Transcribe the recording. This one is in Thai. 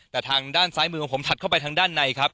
แต่ทางด้านซ้ายมือของผมถัดเข้าไปทางด้านในครับ